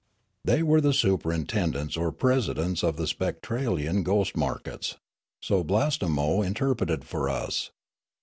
" They were the superintendents or presidents of the Spectralian ghost markets; so Blastemo interpreted for us.